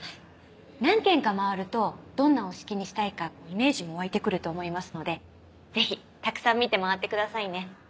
何件か回るとどんなお式にしたいかイメージも湧いてくると思いますのでぜひたくさん見て回ってくださいね。